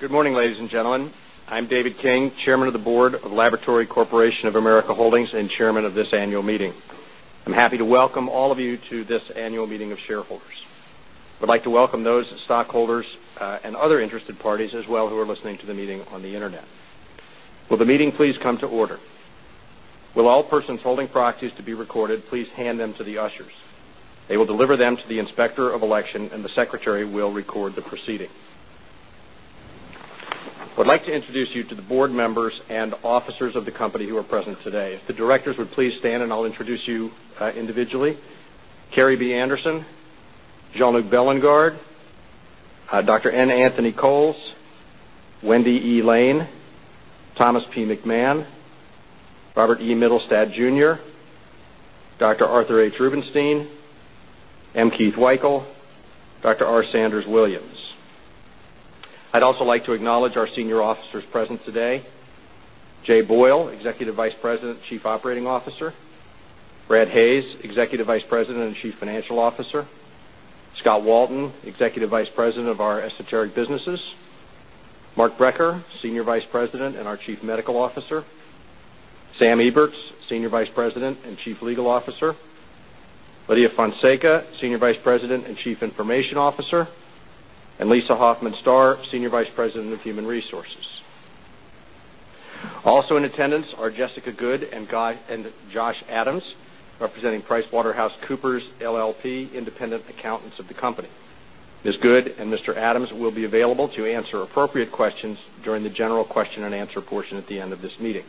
Good morning, ladies and gentlemen. I'm David King, Chairman of the Board of Laboratory Corporation of America Holdings and Chairman of this annual meeting. I'm happy to welcome all of you to this annual meeting of shareholders. I'd like to welcome those stockholders and other interested parties as well who are listening to the meeting on the Internet. Will the meeting please come to order? Will all persons holding proxies to be recorded, please hand them to the ushers. They will deliver them to the Inspector of Elections, and the Secretary will record the proceeding. I'd like to introduce you to the board members and officers of the company who are present today. If the directors would please stand, and I'll introduce you individually: Kerrii B. Anderson, Jean-Luc Bélingard, Dr. N. Anthony Coles, Wendy E. Lane, Thomas P. Mac Mahon, Robert E. Mittelstaedt, Jr., Dr. Arthur H. Rubenstein, M. Keith Weikel, Dr. R. Sanders Williams. I'd also like to acknowledge our senior officers present today: Jay Boyle, Executive Vice President and Chief Operating Officer, Brad Hayes, Executive Vice President and Chief Financial Officer, Scott Walton, Executive Vice President of our Esthetic Businesses, Mark Brecher, Senior Vice President and our Chief Medical Officer, Sam Eberts, Senior Vice President and Chief Legal Officer, Lidia Fonseca, Senior Vice President and Chief Information Officer, and Lisa Hoffman Starr, Senior Vice President of Human Resources. Also in attendance are Jessica Good and Josh Adams, representing PricewaterhouseCoopers LLP, independent accountants of the company. Ms. Good and Mr. Adams will be available to answer appropriate questions during the general question and answer portion at the end of this meeting.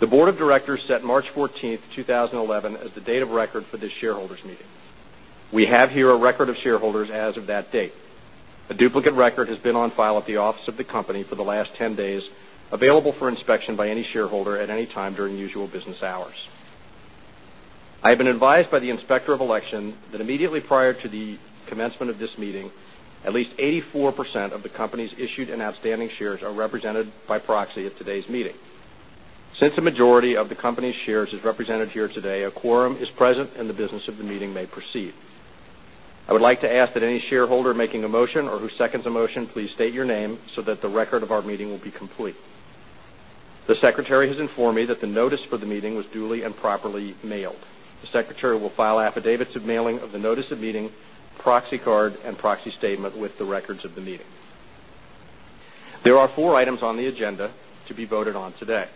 The Board of Directors set March 14, 2011, as the date of record for this shareholders' meeting. We have here a record of shareholders as of that date. A duplicate record has been on file at the office of the company for the last 10 days, available for inspection by any shareholder at any time during usual business hours. I have been advised by the Inspector of Elections that immediately prior to the commencement of this meeting, at least 84% of the company's issued and outstanding shares are represented by proxy at today's meeting. Since a majority of the company's shares is represented here today, a quorum is present, and the business of the meeting may proceed. I would like to ask that any shareholder making a motion or who seconds a motion, please state your name so that the record of our meeting will be complete. The Secretary has informed me that the notice for the meeting was duly and properly mailed. The Secretary will file affidavits of mailing of the notice of meeting, proxy card, and proxy statement with the records of the meeting. There are four items on the agenda to be voted on today: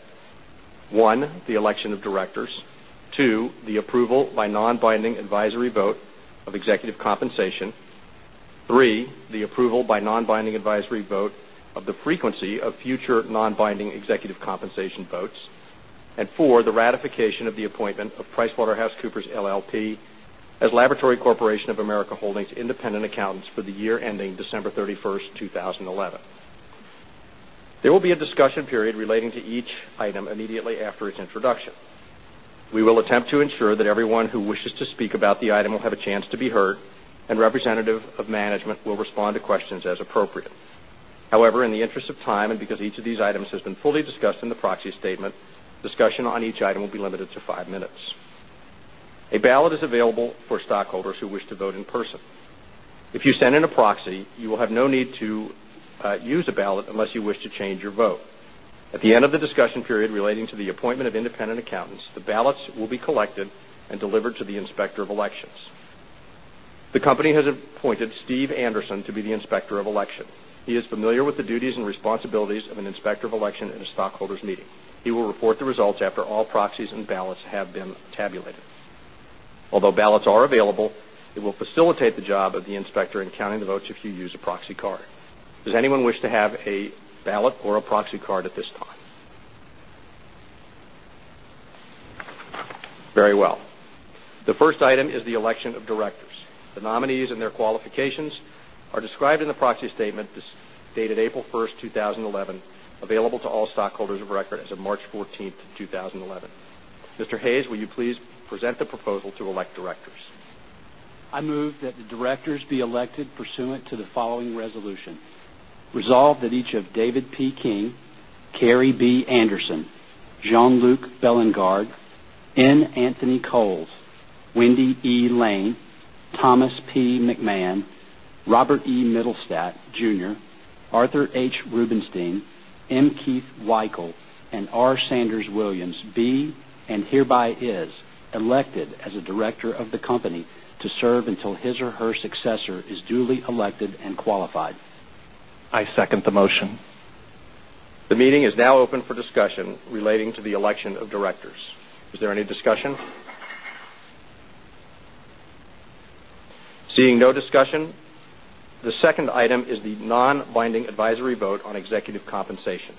one, the election of directors; two, the approval by non-binding advisory vote of executive compensation; three, the approval by non-binding advisory vote of the frequency of future non-binding executive compensation votes; and four, the ratification of the appointment of PricewaterhouseCoopers LLP as Laboratory Corporation of America Holdings Independent Accountants for the year ending December 31, 2011. There will be a discussion period relating to each item immediately after its introduction. We will attempt to ensure that everyone who wishes to speak about the item will have a chance to be heard, and a representative of management will respond to questions as appropriate. However, in the interest of time and because each of these items has been fully discussed in the proxy statement, discussion on each item will be limited to five minutes. A ballot is available for stockholders who wish to vote in person. If you send in a proxy, you will have no need to use a ballot unless you wish to change your vote. At the end of the discussion period relating to the appointment of independent accountants, the ballots will be collected and delivered to the Inspector of Elections. The company has appointed Steve Anderson to be the Inspector of Elections. He is familiar with the duties and responsibilities of an Inspector of Elections in a stockholders' meeting. He will report the results after all proxies and ballots have been tabulated. Although ballots are available, it will facilitate the job of the Inspector in counting the votes if you use a proxy card. Does anyone wish to have a ballot or a proxy card at this time? Very well. The first item is the election of directors. The nominees and their qualifications are described in the proxy statement dated April 1, 2011, available to all stockholders of record as of March 14, 2011. Mr. Hayes, will you please present the proposal to elect directors? I move that the directors be elected pursuant to the following resolution: Resolved that each of David P. King, Kerrii B. Anderson, Jean-Luc Bélingard, N. Anthony Coles, Wendy E. Lane, Thomas P. Mac Mahon, Robert E. Mittelstaedt, Jr., Arthur H. Rubenstein, M. Keith Weikel, and R. Sanders-Williams be and hereby is elected as a director of the company to serve until his or her successor is duly elected and qualified. I second the motion. The meeting is now open for discussion relating to the election of directors. Is there any discussion? Seeing no discussion, the second item is the non-binding advisory vote on executive compensation.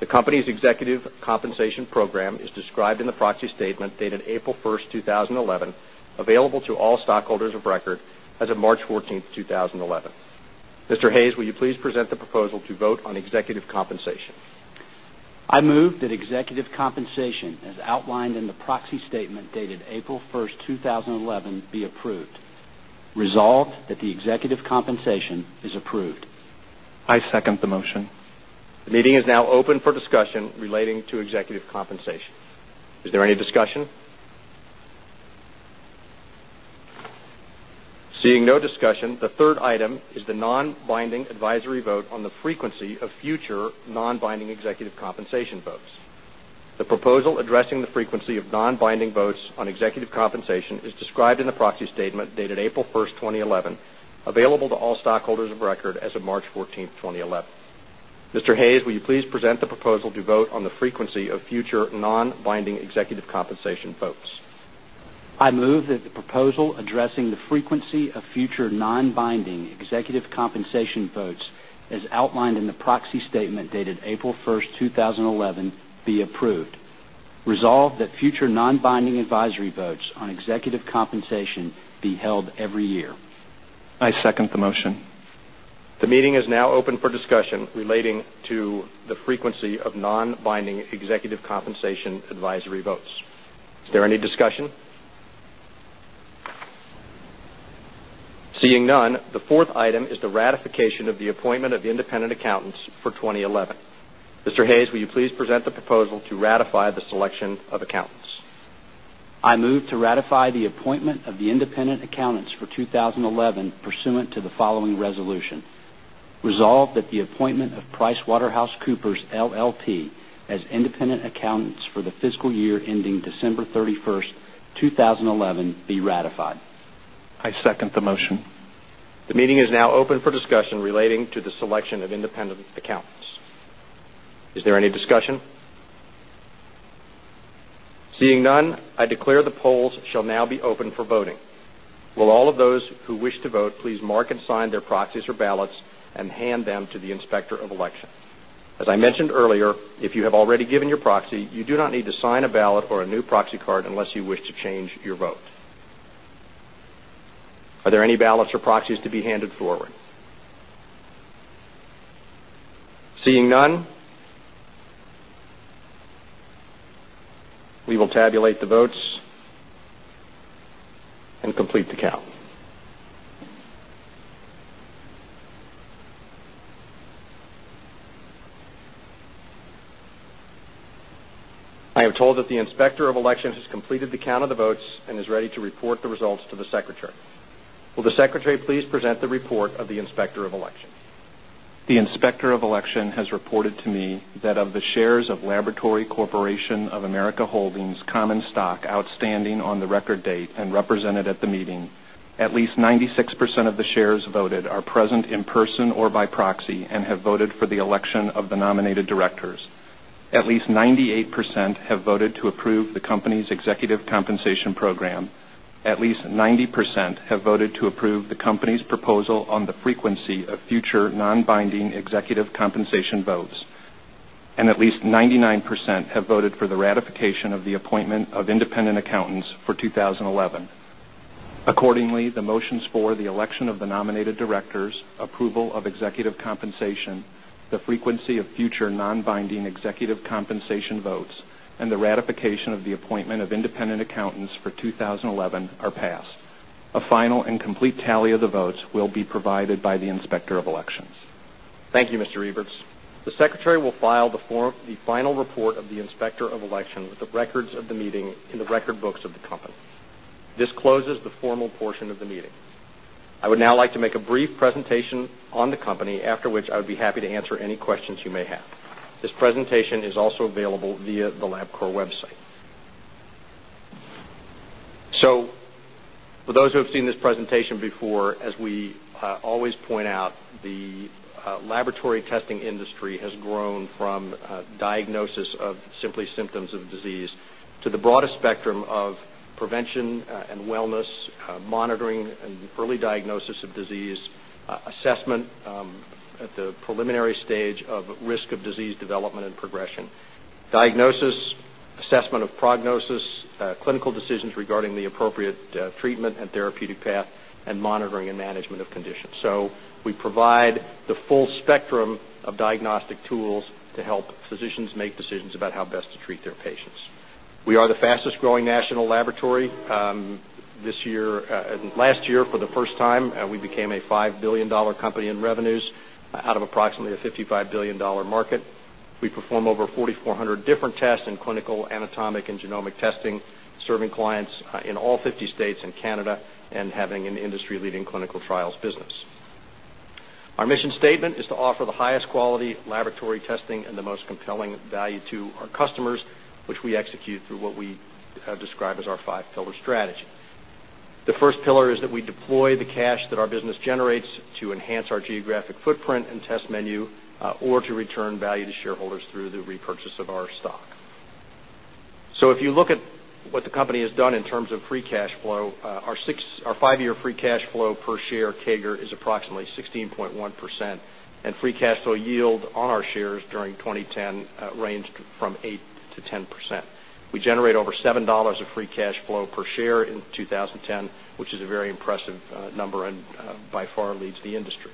The company's executive compensation program is described in the proxy statement dated April 1, 2011, available to all stockholders of record as of March 14, 2011. Mr. Hayes, will you please present the proposal to vote on executive compensation? I move that executive compensation, as outlined in the proxy statement dated April 1, 2011, be approved. Resolved that the executive compensation is approved. I second the motion. The meeting is now open for discussion relating to executive compensation. Is there any discussion? Seeing no discussion, the third item is the non-binding advisory vote on the frequency of future non-binding executive compensation votes. The proposal addressing the frequency of non-binding votes on executive compensation is described in the proxy statement dated April 1, 2011, available to all stockholders of record as of March 14, 2011. Mr. Hayes, will you please present the proposal to vote on the frequency of future non-binding executive compensation votes? I move that the proposal addressing the frequency of future non-binding executive compensation votes, as outlined in the proxy statement dated April 1, 2011, be approved. Resolved that future non-binding advisory votes on executive compensation be held every year. I second the motion. The meeting is now open for discussion relating to the frequency of non-binding executive compensation advisory votes. Is there any discussion? Seeing none, the fourth item is the ratification of the appointment of independent accountants for 2011. Mr. Hayes, will you please present the proposal to ratify the selection of accountants? I move to ratify the appointment of the independent accountants for 2011 pursuant to the following resolution. Resolved that the appointment of PricewaterhouseCoopers LLP as independent accountants for the fiscal year ending December 31, 2011, be ratified. I second the motion. The meeting is now open for discussion relating to the selection of independent accountants. Is there any discussion? Seeing none, I declare the polls shall now be open for voting. Will all of those who wish to vote please mark and sign their proxies or ballots and hand them to the Inspector of Elections? As I mentioned earlier, if you have already given your proxy, you do not need to sign a ballot or a new proxy card unless you wish to change your vote. Are there any ballots or proxies to be handed forward? Seeing none, we will tabulate the votes and complete the count. I am told that the Inspector of Elections has completed the count of the votes and is ready to report the results to the Secretary. Will the Secretary please present the report of the Inspector of Elections? The Inspector of Elections has reported to me that of the shares of Laboratory Corporation of America Holdings Common Stock outstanding on the record date and represented at the meeting, at least 96% of the shares voted are present in person or by proxy and have voted for the election of the nominated directors. At least 98% have voted to approve the company's executive compensation program. At least 90% have voted to approve the company's proposal on the frequency of future non-binding executive compensation votes. At least 99% have voted for the ratification of the appointment of independent accountants for 2011. Accordingly, the motions for the election of the nominated directors, approval of executive compensation, the frequency of future non-binding executive compensation votes, and the ratification of the appointment of independent accountants for 2011 are passed. A final and complete tally of the votes will be provided by the Inspector of Elections. Thank you, Mr. Eberts. The Secretary will file the final report of the Inspector of Elections with the records of the meeting in the record books of the company. This closes the formal portion of the meeting. I would now like to make a brief presentation on the company, after which I would be happy to answer any questions you may have. This presentation is also available via the Labcorp website. For those who have seen this presentation before, as we always point out, the laboratory testing industry has grown from diagnosis of simply symptoms of disease to the broader spectrum of prevention and wellness, monitoring and early diagnosis of disease, assessment at the preliminary stage of risk of disease development and progression, diagnosis, assessment of prognosis, clinical decisions regarding the appropriate treatment and therapeutic path, and monitoring and management of conditions. We provide the full spectrum of diagnostic tools to help physicians make decisions about how best to treat their patients. We are the fastest growing national laboratory. This year, last year, for the first time, we became a $5 billion company in revenues out of approximately a $55 billion market. We perform over 4,400 different tests in clinical, anatomic, and genomic testing, serving clients in all 50 states and Canada and having an industry-leading clinical trials business. Our mission statement is to offer the highest quality laboratory testing and the most compelling value to our customers, which we execute through what we describe as our five-pillar strategy. The first pillar is that we deploy the cash that our business generates to enhance our geographic footprint and test menu or to return value to shareholders through the repurchase of our stock. If you look at what the company has done in terms of free cash flow, our five-year free cash flow per share CAGR is approximately 16.1%, and free cash flow yield on our shares during 2010 ranged from 8%-10%. We generate over $7 of free cash flow per share in 2010, which is a very impressive number and by far leads the industry.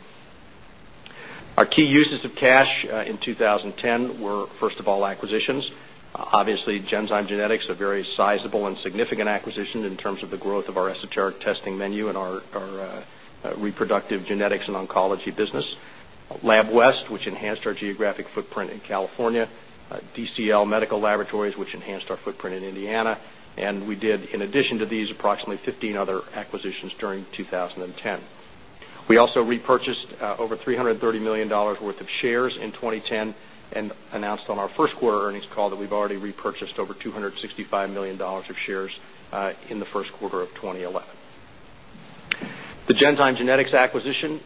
Our key uses of cash in 2010 were, first of all, acquisitions. Obviously, Genzyme Genetics are very sizable and significant acquisitions in terms of the growth of our esoteric testing menu and our reproductive genetics and oncology business. LabWest, which enhanced our geographic footprint in California, DCL Medical Laboratories, which enhanced our footprint in Indiana, and we did, in addition to these, approximately 15 other acquisitions during 2010. We also repurchased over $330 million worth of shares in 2010 and announced on our first quarter earnings call that we've already repurchased over $265 million of shares in the first quarter of 2011. The Genzyme Genetics acquisition,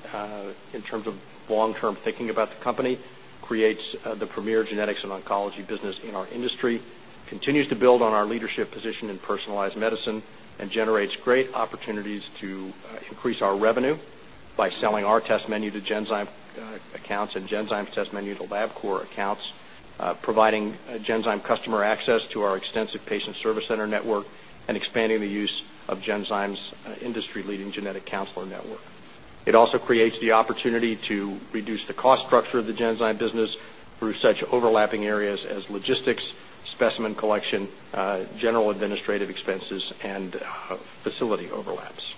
in terms of long-term thinking about the company, creates the premier genetics and oncology business in our industry, continues to build on our leadership position in personalized medicine, and generates great opportunities to increase our revenue by selling our test menu to Genzyme accounts and Genzyme test menu to LabCorp accounts, providing Genzyme customer access to our extensive patient service center network and expanding the use of Genzyme's industry-leading genetic counselor network. It also creates the opportunity to reduce the cost structure of the Genzyme business through such overlapping areas as logistics, specimen collection, general administrative expenses, and facility overlaps.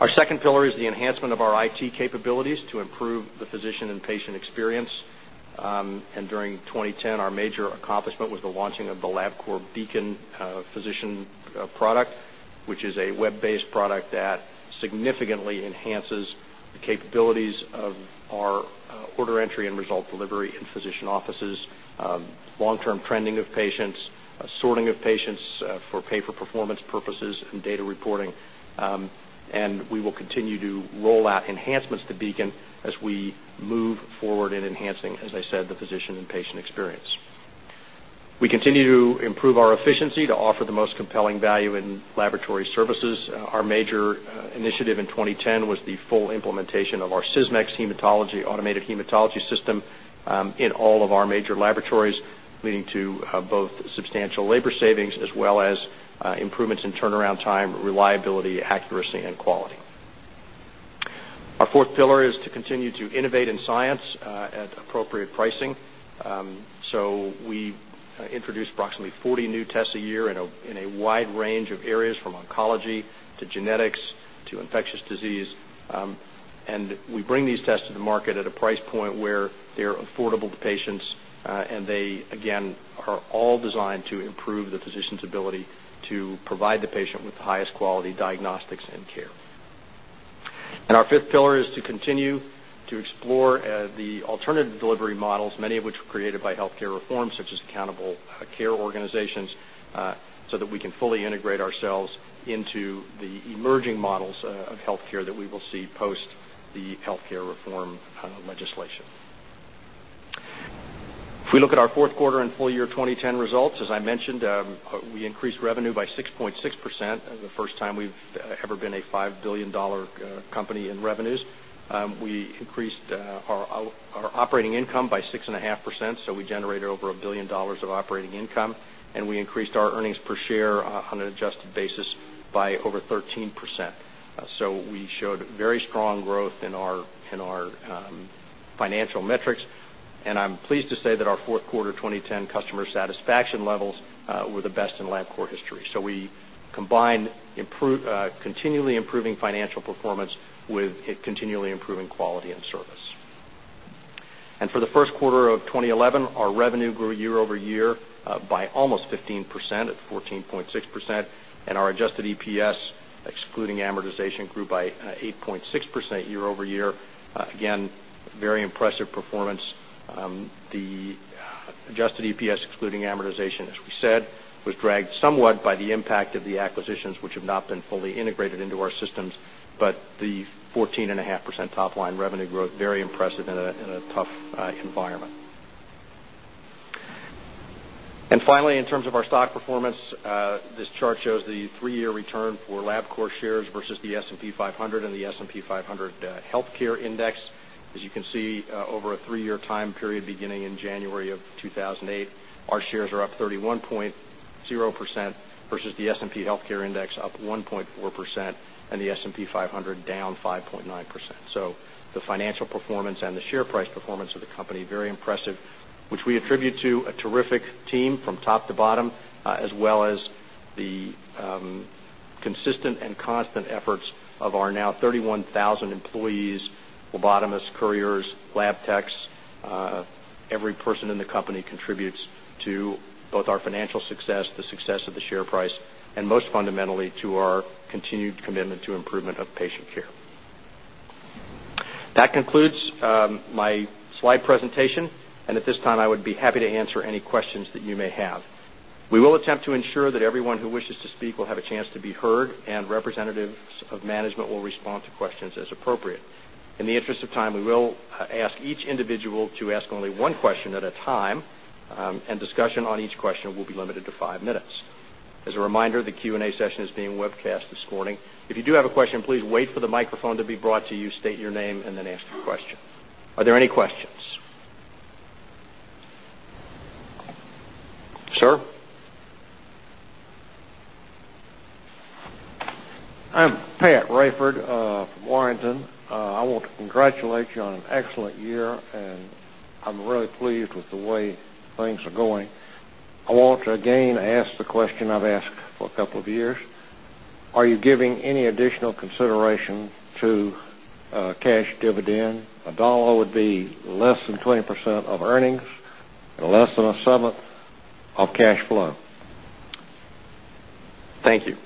Our second pillar is the enhancement of our IT capabilities to improve the physician and patient experience. During 2010, our major accomplishment was the launching of the LabCorp Beacon physician product, which is a web-based product that significantly enhances the capabilities of our order entry and result delivery in physician offices, long-term trending of patients, sorting of patients for pay-for-performance purposes, and data reporting. We will continue to roll out enhancements to Beacon as we move forward in enhancing, as I said, the physician and patient experience. We continue to improve our efficiency to offer the most compelling value in laboratory services. Our major initiative in 2010 was the full implementation of our Sysmex Hematology Automated Hematology System in all of our major laboratories, leading to both substantial labor savings as well as improvements in turnaround time, reliability, accuracy, and quality. Our fourth pillar is to continue to innovate in science at appropriate pricing. We introduce approximately 40 new tests a year in a wide range of areas from oncology to genetics to infectious disease. We bring these tests to the market at a price point where they're affordable to patients, and they, again, are all designed to improve the physician's ability to provide the patient with the highest quality diagnostics and care. Our fifth pillar is to continue to explore the alternative delivery models, many of which were created by healthcare reform, such as Accountable Care Organizations, so that we can fully integrate ourselves into the emerging models of healthcare that we will see post the healthcare reform legislation. If we look at our fourth quarter and full year 2010 results, as I mentioned, we increased revenue by 6.6%. The first time we've ever been a $5 billion company in revenues. We increased our operating income by 6.5%, so we generated over $1 billion of operating income, and we increased our earnings per share on an adjusted basis by over 13%. We showed very strong growth in our financial metrics, and I'm pleased to say that our fourth quarter 2010 customer satisfaction levels were the best in LabCorp history. We combined continually improving financial performance with continually improving quality and service. For the first quarter of 2011, our revenue grew year-over-year by almost 15% at 14.6%, and our adjusted EPS, excluding amortization, grew by 8.6% year-over-year. Again, very impressive performance. The adjusted EPS, excluding amortization, as we said, was dragged somewhat by the impact of the acquisitions, which have not been fully integrated into our systems, but the 14.5% top-line revenue growth, very impressive in a tough environment. Finally, in terms of our stock performance, this chart shows the three-year return for LabCorp shares versus the S&P 500 and the S&P 500 Healthcare Index. As you can see, over a three-year time period beginning in January of 2008, our shares are up 31.0% versus the S&P Healthcare Index up 1.4% and the S&P 500 down 5.9%. The financial performance and the share price performance of the company, very impressive, which we attribute to a terrific team from top to bottom, as well as the consistent and constant efforts of our now 31,000 employees, phlebotomists, couriers, lab techs. Every person in the company contributes to both our financial success, the success of the share price, and most fundamentally to our continued commitment to improvement of patient care. That concludes my slide presentation, and at this time, I would be happy to answer any questions that you may have. We will attempt to ensure that everyone who wishes to speak will have a chance to be heard, and representatives of management will respond to questions as appropriate. In the interest of time, we will ask each individual to ask only one question at a time, and discussion on each question will be limited to five minutes. As a reminder, the Q&A session is being webcast this morning. If you do have a question, please wait for the microphone to be brought to you, state your name, and then ask your question. Are there any questions? Sir. I'm Pat Wrayford from Warrenton. I want to congratulate you on an excellent year, and I'm really pleased with the way things are going. I want to again ask the question I've asked for a couple of years. Are you giving any additional consideration to cash dividend? A dollar would be less than 20% of earnings and less than a seventh of cash flow. Thank you.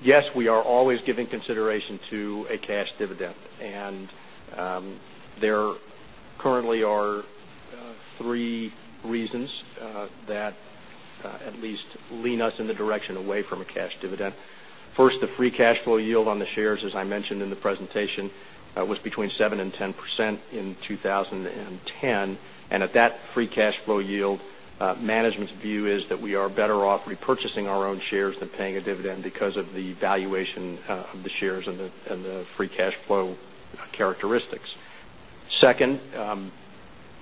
Yes, we are always giving consideration to a cash dividend, and there currently are three reasons that at least lean us in the direction away from a cash dividend. First, the free cash flow yield on the shares, as I mentioned in the presentation, was between 7% and 10% in 2010, and at that free cash flow yield, management's view is that we are better off repurchasing our own shares than paying a dividend because of the valuation of the shares and the free cash flow characteristics. Second,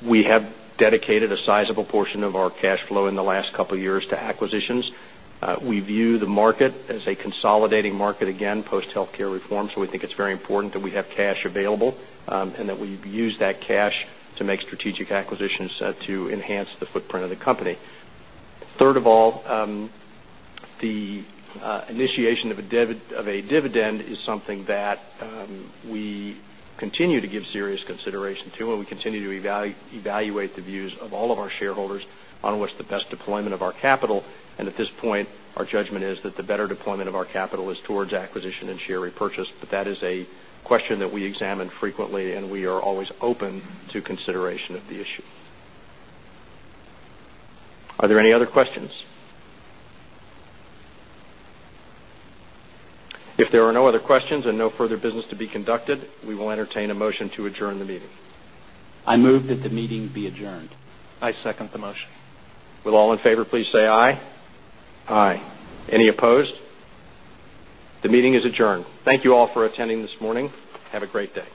we have dedicated a sizable portion of our cash flow in the last couple of years to acquisitions. We view the market as a consolidating market, again, post healthcare reform, so we think it's very important that we have cash available and that we use that cash to make strategic acquisitions to enhance the footprint of the company. Third of all, the initiation of a dividend is something that we continue to give serious consideration to, and we continue to evaluate the views of all of our shareholders on what's the best deployment of our capital. At this point, our judgment is that the better deployment of our capital is towards acquisition and share repurchase, but that is a question that we examine frequently, and we are always open to consideration of the issue. Are there any other questions? If there are no other questions and no further business to be conducted, we will entertain a motion to adjourn the meeting. I move that the meeting be adjourned. I second the motion. Will all in favor please say aye? Aye. Any opposed? The meeting is adjourned. Thank you all for attending this morning. Have a great day.